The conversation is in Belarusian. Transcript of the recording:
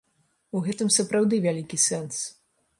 У гэтым сапраўды вялікі сэнс.